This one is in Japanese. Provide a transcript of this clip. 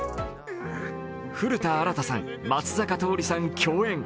古田新太さん、松坂桃李さん共演。